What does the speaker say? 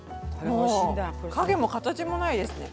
もう影も形もないですね